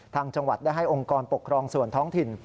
จังหวัดได้ให้องค์กรปกครองส่วนท้องถิ่น